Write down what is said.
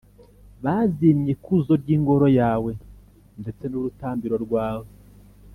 bazimye ikuzo ry’ingoro yawe ndetse n’urutambiro rwawe,